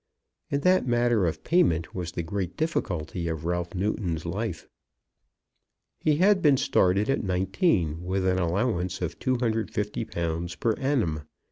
In that matter of payment was the great difficulty of Ralph Newton's life. He had been started at nineteen with an allowance of £250 per annum.